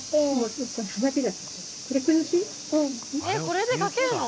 えっこれで描けるの？